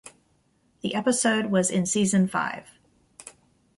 The episode was in season five.